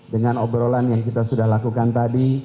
dengan obrolan yang kita sudah lakukan tadi